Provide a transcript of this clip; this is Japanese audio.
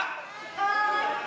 はい！